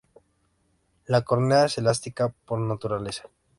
La córnea es elástica por naturaleza.